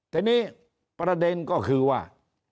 ทีนี้ประเด็นก็คือว่า